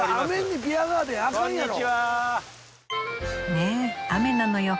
ねえ雨なのよ。